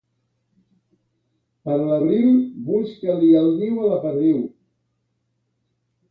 Per l'abril, busca-li el niu a la perdiu.